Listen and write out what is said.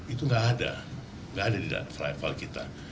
itu gak ada gak ada di data revival kita